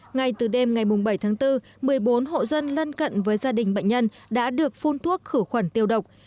ngay từ đêm ngày bảy tháng bốn một mươi bốn hộ dân lân cận với gia đình bệnh nhân đã được phun thuốc khử khuẩn tiêu độc